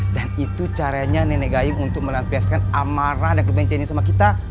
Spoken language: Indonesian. dan itu caranya nenek gayung untuk melampiaskan amarah dan kebencannya sama kita